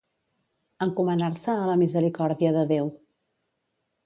Encomanar-se a la misericòrdia de Déu.